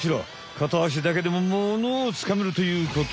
かたあしだけでもモノをつかめるということ。